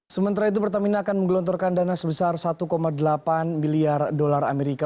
sementara itu pertamina akan menggelontorkan dana sebesar satu delapan miliar dolar amerika